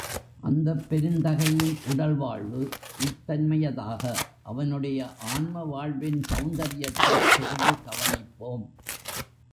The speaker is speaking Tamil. அந்தப் பெருந்தகையின் உடல் வாழ்வு இத்தன்மையதாக, அவனுடைய ஆன்ம வாழ்வின் செளந்தரியத்தைச் சிறிது கவனிப்போம்.